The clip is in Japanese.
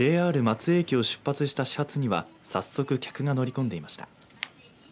ＪＲ松江駅を出発した始発にはさっそく客が乗り込んでいました。